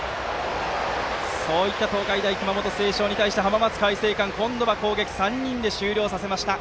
そういった東海大熊本星翔に対して浜松開誠館、今度は攻撃を３人で終了させました。